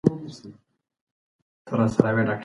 هغه خلک چې په سختو ورځو کې ولاړ دي.